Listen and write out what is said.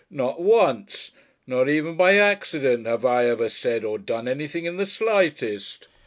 Not once. Not even by accident have I ever said or done anything in the slightest